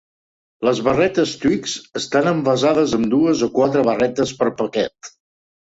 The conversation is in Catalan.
Les barretes Twix estan envasades amb dues o quatre barretes per paquet.